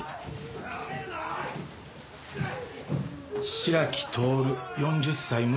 白木徹４０歳無職。